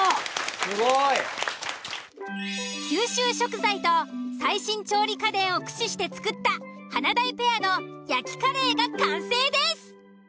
すごい。九州食材と最新調理家電を駆使して作った華大ペアの焼きカレーが完成です！